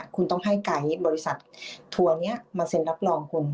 คุณต้องให้ไกด์บริษัททัวร์นี้มาเซ็นรับรองคุณ